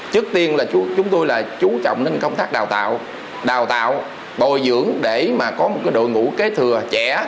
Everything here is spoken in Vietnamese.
trước tiên là chúng tôi là chú trọng đến công tác đào tạo đào tạo bồi dưỡng để mà có một đội ngũ kế thừa trẻ